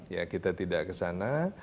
ya kita tidak kesana